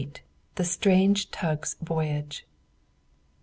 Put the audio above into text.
THE STRANGE TUG'S VOYAGE.